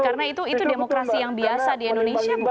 karena itu demokrasi yang biasa di indonesia bukan